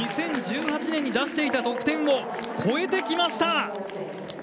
２０１８年に出していた得点を超えてきました！